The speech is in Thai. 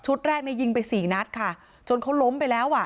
แรกในยิงไปสี่นัดค่ะจนเขาล้มไปแล้วอ่ะ